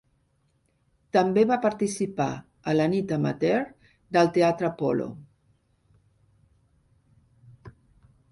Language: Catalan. També va participar a la nit amateur del Teatre Apollo.